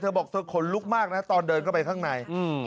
บอกเธอขนลุกมากนะตอนเดินเข้าไปข้างใน